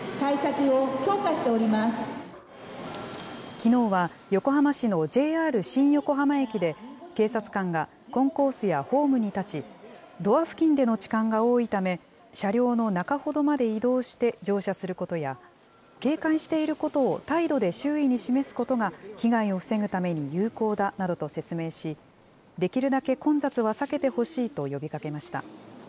きのうは横浜市のＪＲ新横浜駅で、警察官がコンコースやホームに立ち、ドア付近での痴漢が多いため、車両の中ほどまで移動して乗車することや、警戒していることを態度で周囲に示すことが被害を防ぐために有効だなどと説明し、できるだけ混雑は避けてほしいと呼びかけました。